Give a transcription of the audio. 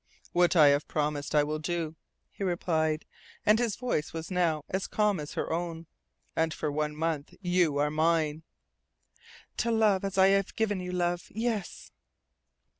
"What I have promised I will do," he replied, and his voice was now as calm as her own. "And for this one month you are mine!" "To love as I have given you love, yes."